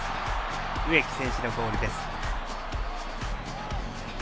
植木選手のゴールです。